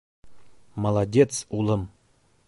— Молодец улым!